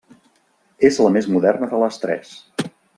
És la més moderna de les tres.